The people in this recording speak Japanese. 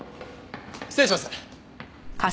失礼します。